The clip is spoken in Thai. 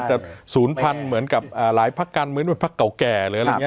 แต่ศูนย์พันธุ์เหมือนกับหลายภาคการเมืองเป็นภาคเก่าแก่